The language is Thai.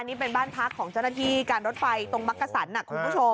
นี่เป็นบ้านพักของเจ้าหน้าที่การรถไฟตรงมักกะสันคุณผู้ชม